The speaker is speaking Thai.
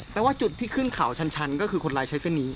ว่าจุดที่ขึ้นเขาชันก็คือคนร้ายใช้เส้นนี้